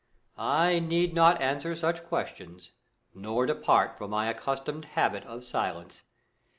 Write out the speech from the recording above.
I need not answer such questions, nor depart from my accustomed habit of silence.